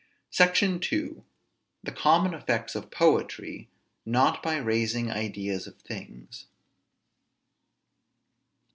SECTION II. THE COMMON EFFECTS OF POETRY, NOT BY RAISING IDEAS OF THINGS.